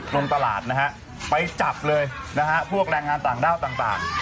ลงตลาดนะฮะไปจับเลยนะฮะพวกแรงงานต่างด้าวต่าง